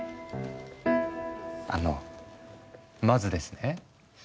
あのまずですね